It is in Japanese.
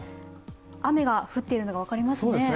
雨が降っているのが分かりますね。